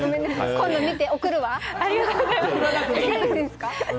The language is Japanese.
今度見て、送るわ。